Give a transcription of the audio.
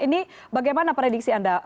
ini bagaimana prediksi anda